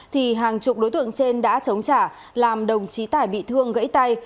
thì hàng chục đối tượng trên đã chống trả làm đồng chí tài bị thương gãy tay